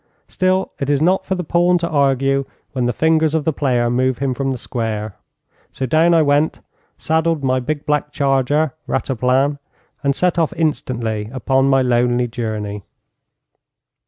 Still, it is not for the pawn to argue when the fingers of the player move him from the square; so down I went, saddled my big black charger, Rataplan, and set off instantly upon my lonely journey.